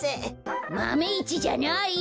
マメ１じゃない！